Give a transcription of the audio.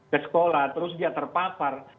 ke sekolah terus dia terpapar